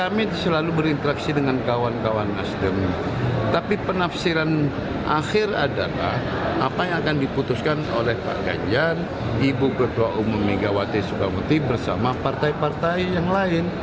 megawati soekarnoputri bersama partai partai yang lain